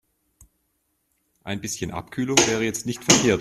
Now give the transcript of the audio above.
Ein bisschen Abkühlung wäre jetzt nicht verkehrt.